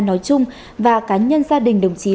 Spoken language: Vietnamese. nói chung và cá nhân gia đình đồng chí